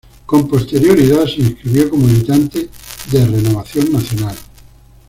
Con posterioridad se inscribió como militante de Renovación Nacional.